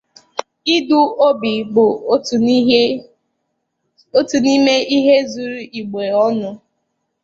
Idu obì bụ otu n'ime ihe zuru Igbo ọnụ